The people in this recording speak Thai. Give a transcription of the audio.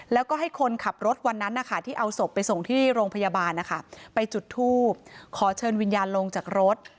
แล้วก็ให้คนขับรถวันนั้นนะคะที่เอาศพไปส่งที่โรงพยาบาลนะคะไปจุดทูบขอเชิญวิญญาณลงจากรถ